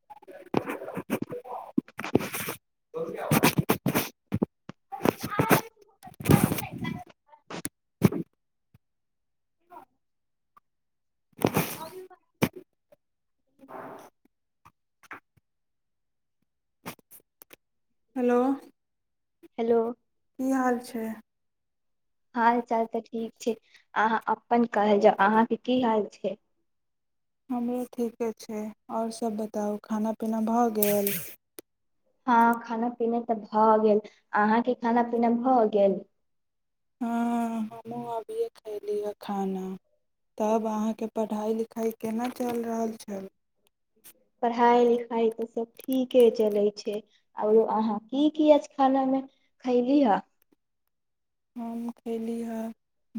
[unintelligible] अभी hello hello की हाल छै हाल चाल तऽ ठीक छै अहाँ अपन कहै जाउ अहाँके की हाल छै हमरो ठीके छै आओर सभ बताउ खाना पीना भऽ गेल हँ खाना पीना तऽ भऽ गेल अहाँके खाना पीना भऽ गेल हँ हमहुँ अभिये खयली खाना तब अहाँके पढ़ाइ लिखाइ केना चल रहल छै पढ़ाइ लिखाइ तऽ सब ठीके चलै छै आओरो अहाँ की की अछि खाना मे खयली हे हम खयली हे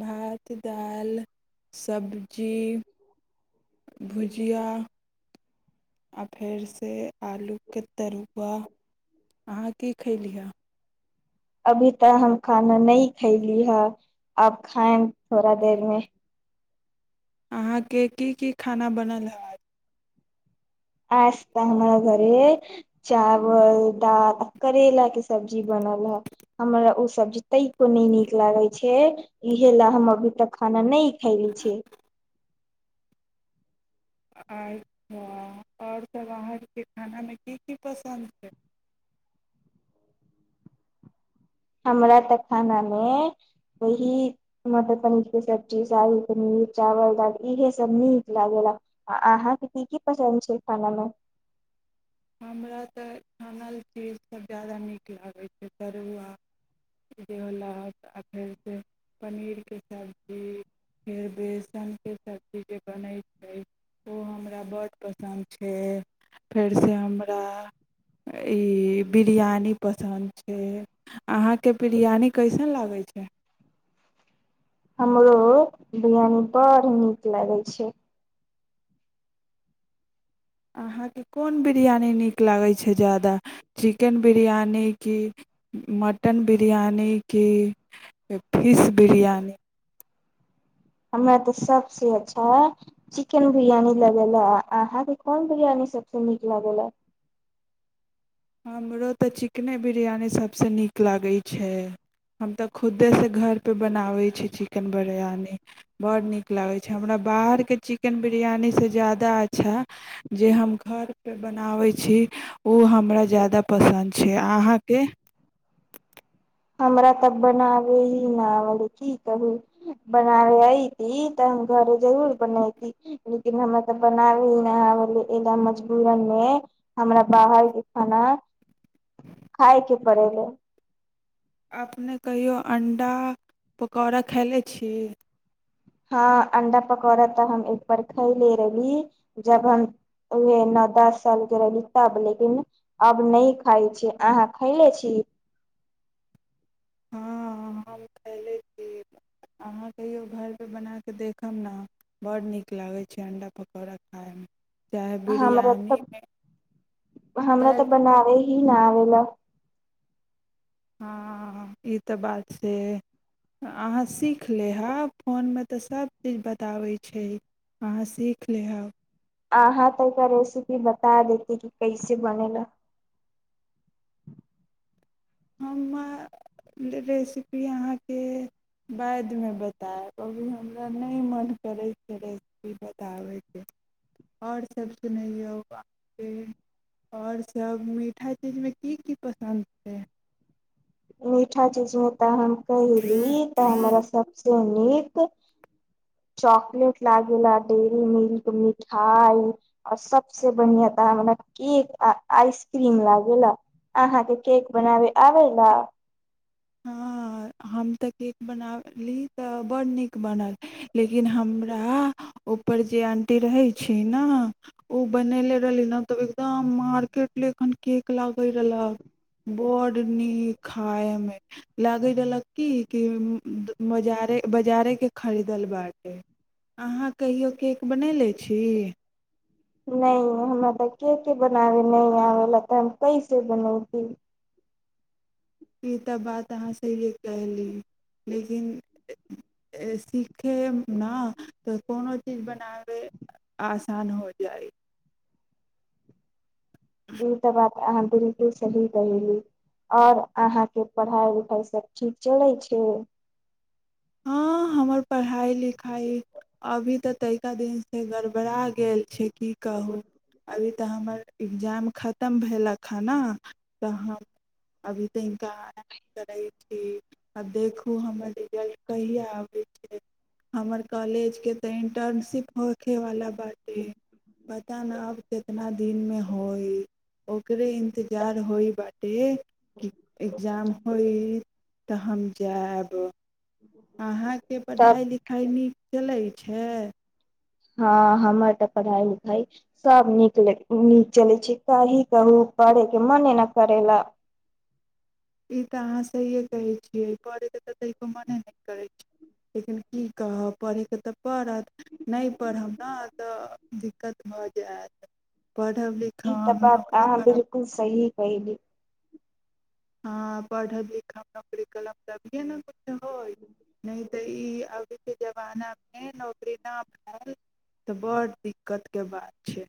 भात दालि सब्जी भुजिया आ फेरसँ आलूके तरुआ अहाँ की खयली हे अभी तऽ हम खाना न खयली है अब खाय थोड़ा देर मे अहाँके की की खाना बनल हए आस हमरा बरे चावल दाल आ करेलाक के सब्जी बनल हे हमरा ओ सब्जी तको नहि नीक लागै छै इहे लए हम अभी तक खाना नहि खायले छिय अच्छा आओरसभ अहाँके खानामे की की पसन्द छै हमरा तऽ खानामे वही मटर पनीरके सब्जी शाही पनीर चावल दाल इहे सब नीक लागे रहा आ अहाँके की की पसन्द छै खानामे हमरा तऽ खानल चीजसभ ज्यादा नीक लागैत छै तरुआ जे होलक आ फेरसँ पनीरके सब्जी फेर बेसनके सब्जी जे बनैत छै ओ हमरा बड्ड पसन्द छै फेर जैसे हमरा ई बिरयानी पसन्द छै अहाँके बिरयानी कैसन लागै छै हमरो बिरयानी बड़ नीक लगै छै अहाँके कोन बिरियानी नीक लागै छै ज्यादा चिकेन बिरियानी कि मटन बिरियानी कि फिश बिरियानी हमरा तऽ सभसँ अच्छा चिकेन बिरियानी लगैए अहाँकेँ कोन बिरियानी सभसँ नीक लगैए हमरो तऽ चिकेने बिरयानी सभसँ नीक लागैत छै हम तऽ खुदेसँ घरपे बनाबैत छी चिकेन बिरयानी बड़ नीक लागैत छै हमरा बाहरके चिकेन बिरियानीसँ ज्यादा अच्छा जे हम घरपे बनाबैत छी ओ हमरा ज्यादा पसंद छै अहाँके हमरा तऽ बनाबे ही न आबले की कहू बनाबे यति तऽ हम घरे जरूर बनती लेकिन हमरा तऽ बनाबे ही न आबले ए मजबूरन मे हमरा बाहरके खाना खायके बड़ल अपने कहियो अण्डा पकौड़ा खयलने छी हँ अंडा पकौड़ा तऽ हम एकबार खैले रहली जब हम उहे नओ दस साल के रहली तब लेकिन अब नहि खाइ छी अहाँ खैले छी हँ हम खयले छी अहाँ कहियओ घरपर बना कऽ देखब ने बड़ नीक लागै छै अण्डा पकौड़ा खायमे चाहे हमरा तऽ बिरयानीमे हमरा चाहे तऽ बनाबे ही नै आवल हँ ई तऽ बात से अहाँ सीख लेहब फोनमे तऽ सभ चीज बताबै छै अहाँ सीख लेहब आहाँ तऽ रेसिपी बता देती कि कैसे बने ल हम रेसिपी अहाँके बादमे बतायब अभी हमरा नहि मोन करै छै रेसिपी बताबयके आओर सभ सुनैयौ अहाँके आओरसभ मीठा चीजमे की की पसन्द छै मीठा चीज मे त हम कहिली तऽ हमरा सब सु नीक चॉकलेट लागेला डेरी मिल्क मिठाई और सबसे बढ़िया तऽ हमरा केक आइसक्रीम लागा अहा के केक बनावे आबे ला हँ हम तऽ केक बनाली तऽ ब्ड नीक बनल लेकिन हमरा ऊपर जे आंटी रहैत छी ने ओ बनयनेे रहली ने तऽ एकदम मार्केट ल एखन केक लगैत रहलक बड्ड नीक खाायमे लागै रहलक की कि बजारे बाजारेके खरीदल बाटे अहाँ कहियओ केक बनय लै छी नहि हमरा तऽ के के बनाबे न आब ल तऽ हम कैसे बनौती ई तऽ बात अहाँ सहिए कली लेकिन सीखे ने तऽ कोनो चीज बनाबै आसान हो जाइ ई तऽ बात अहाँ बिलकुल सही रही आओर अहाँके पढ़ाइ उखाइ सभ ठीक चलै छै हँ हमर पढ़ाई लिखाई अभी तऽ तैा दिन से गर् घबड़ा गेल छै की कहू अभी तऽ हमर एग्जाम खतम भेलक हँ ने तऽ हम अभी तऽ इन्नक करै छी आ देखू हमर कहिया आबै छै हमर कॉलेज के तऽ इंटर्नशिप होयखे वला बात ऐ पता नहि अब कितना दिन मे होइ ओकरे इन्तजार होइ बटे एग्जाम होइ तऽ हम जायब अहाँके सब पढ़ाई लिखाई नीक चलै छै हँ हमर तऽ पढ़ाइ लिखाइ सभ नीक नीक चलै छै की कहू पढ़यके मने ने करै लए ई तऽ अहाँ सहिए कहै छियै पढ़यके तऽ तऽो मने नहि करैत छै लेकिन की कहब पढ़यके तऽ पड़त नहि पढ़ब ने तऽ दिक्कत भऽ जायत पढ़ब ई तऽ लिखब बात नौकरी अहाँ करब बिलकुल सही कली हँ पढ़ब लिखब नौकरी कलम त भी के ने किछु होय नहि तऽ ई अभीके जमानामे नौकरी नहि भेल तऽ बड़ दिक्कतके बात छै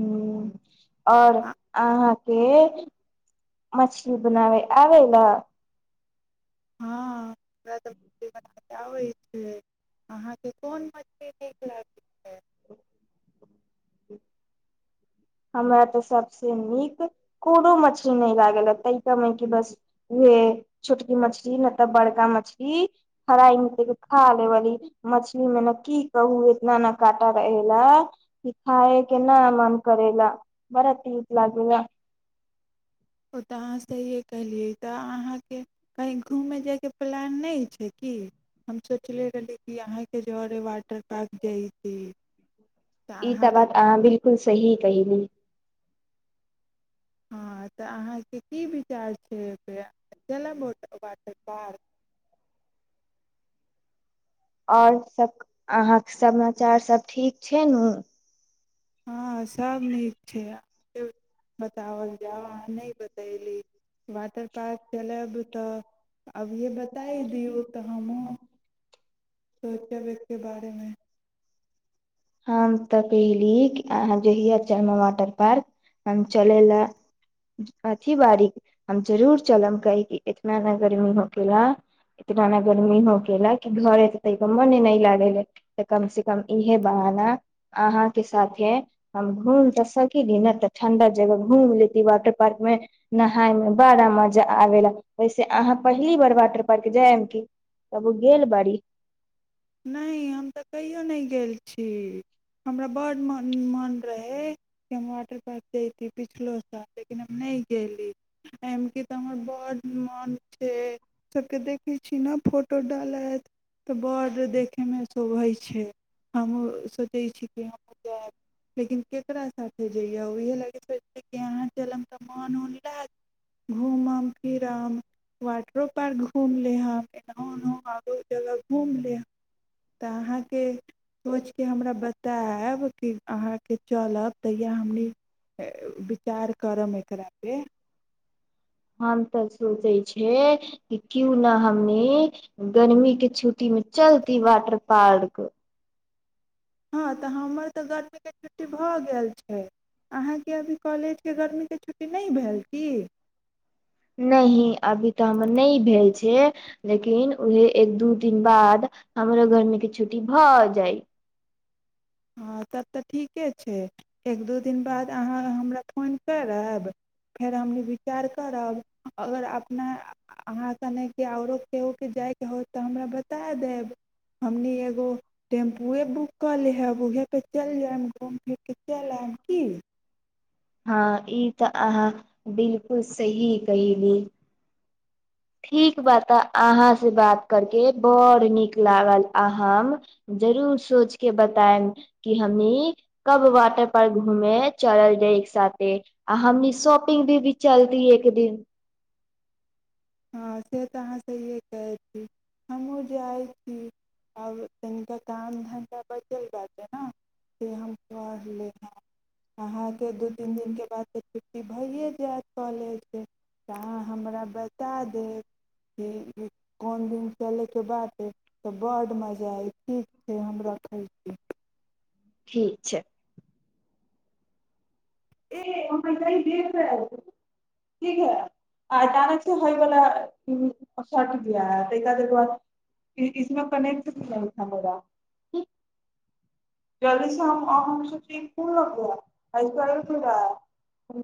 हुँ आओर आ अहाँ के मछली बनाव आ ल हँ हमरा तऽ मछली बनाबय आबै छै अहाँके कोन मछली नीक लागै छै हमरा ते सबस नीक कोनो मछली नहि लागल ह ता क मे क बस उहे छोटकी मछली ने तऽ बड़का मछली फराई खा लेबी मछली मे ने की कहू इतना ने काटा रहे ला कि खााय के न मन करैला बड़ा तीत लागेला ओ तऽ अहाँ सँहिए कहलियै तऽ अहाँके कहीँ घूमय जायके प्लान नहि छै कि हम सोचले रहलीै कि अहाँके जरे वाटर पार्क जाइ छी ई त बात बिलकुल सही कहिली हँ तऽ अहाँके की विचार छैप जेलोट वाटर पार्क आओर सब अहाँके समाचार सब ठीक छै ने हँ सभ नीक छै बतावल जाउ अहाँ नहि बता कैली वाटर पार्क चलब तऽ अभिये बताय दियौ तऽ हमहूँ सोचब एकके बारेमे हम तऽ कहिली अहाँ ज हय चर्मा वाटर पार्क हम चलै लए अथी बारीक हम जरूर चलम की क इतना ने गर्मी हो केेला इतना ने गर्मी हो केेला कि घरे त मने न लागेे त कम से कम इहे बहाना अहा के साथे हम घूम तऽ सकील ने तऽ ठण्डा जगह घूम लेती वाटर पार्क मे नहााय मे बड़ा मजा आबे ला वैसे अहाँ पहली बार वाटर पार के जायब की तब ओ गेल बड़ी नहि हम तऽ कहियो नहि गेल छी हमरा बड्डन मोन रहै कि हम वाटर पार्क जैत पिछलो साल लेकिन हम नहि गेली एहिमे कि तऽ हमर बड्ड मोन छै सभके देखैत छी ने फोटो डालैत तऽ बडड़् देखैमे शोभै छै हमहुूँ सोचै छी कि हमहुँ जायब लेकिन केकरा साथे जइय उएह लागऽ सो कि अहाँ चलब तऽ मोनन रहत घूमब फिरब वाटरो पार्क घूम लेब एना ओ आरो जगह घूम लेब तऽहाँ के सोच के हमरा बतायब आयब कि अहाँके चलब तहिया हमनी विचार करब एकरापर हम तऽ सोचै छियै कि क्यू ने हमनी गर्मी के छुट्टी मे चलती वाटर पार्क हँ तऽ हमर तऽ गरमीके छुट्टी भऽ गेल छै अहाँके अभी कॉलेजके गरमीके छुट्टी नहि भेल क नहि अभी तऽ हमर नहि भेल छै लेकिन उएह एक दू दिन बाद हमर घरमे किछ छुट्टी भऽ जाइ हँ त तऽ ठीके छै एक दू दिन बाद अहाँ हमरा फोन करब फेर हमनी विचार करब अगर अपना अहाँ स नहि कि आओरो केहोके जाइके होत तऽ हमरा बता देब हमनी एगो टेम्पूए बुक कऽ लेहब उहे परे चलि जायब घूम फिर के चल आयब की हँ ई तऽ अहाँ बिलकुल सही कयली ठीक बा तऽ अहाँ से बात करके बड़ नीक लागल आ हम जरूर सोच के बतायब कि हमनी कब वाटर पर घूमे चलल रहय एक साथे आ हमनी शॉपिंग भी भी चलती एक दिन हँ से तऽ अहाँ सहिए कहैत छी हमहूँ जाइत छी आब तनिका काम धन्धा बचल जातै ने से हम पढ़ली हेँ अहाँके दू तीन दिनके बाद तऽ छुट्टी भइए जायत कॉलेजसँ तऽ अहाँ हमरा ब बता देब कि कोन दिन चलयके बाद तऽ बड्ड मजा अय ठीक छै हम रखै छी ठीक छै के हमरा ठ है ठीक है अचानक से होय व शर्ट द है त देखाद इस कने्टरा जल्दी से ल- ा [inaudible]